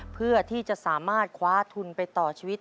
เพื่อที่จะสามารถคว้าทุนไปต่อชีวิต